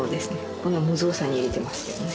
こんな無造作に入れてますけどね。